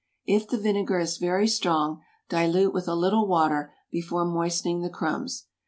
If the vinegar is very strong, dilute with a little water before moistening the crumbs.